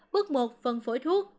bước một phân phối thuốc